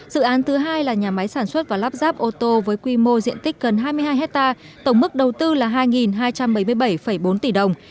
dự án thứ hai là nhà máy sản xuất và lắp ráp ô tô với quy mô diện tích gần hai mươi hai hectare tổng mức đầu tư là hai hai trăm bảy mươi bảy bốn tỷ đồng